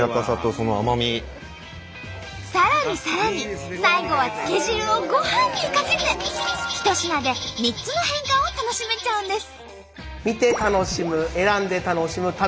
さらにさらに最後はつけ汁をご飯にかけて一品で３つの変化を楽しめちゃうんです。